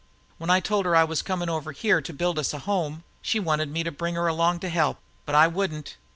When I told her I was coming over here to build us a home, she wanted me to bring her along to help; but I wouldn't.